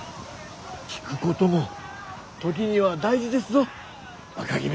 退くことも時には大事ですぞ若君。